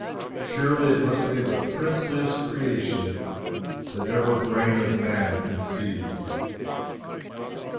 Surely it must be the princeliest creation that ever brain of man conceived.